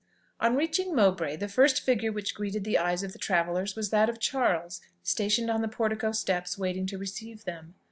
On reaching Mowbray, the first figure which greeted the eyes of the travellers was that of Charles, stationed on the portico steps waiting to receive them.